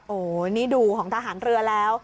โอ้โหนี่ดูของทหารเรือแล้ว